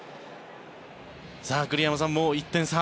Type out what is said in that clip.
栗山さん、もう１点差。